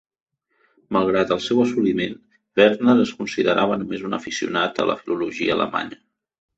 Malgrat el seu assoliment, Verner es considerava només un aficionat a la filologia alemanya.